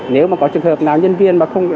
nếu mà có trường hợp nào nhân viên